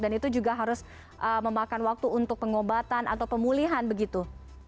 dan itu juga harus memakan waktu untuk pengobatan atau pemulihan begitu